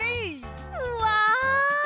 うわ！